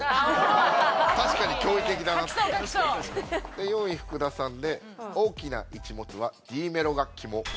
で４位福田さんで大きなイチモツはＤメロが肝。